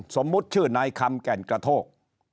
สมมุติชื่อนายคำแก่นกระโทก